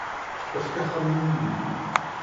Efk axxam-nni i yelli.